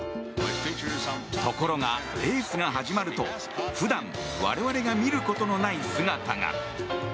ところがレースが始まると普段我々が見ることのない姿が。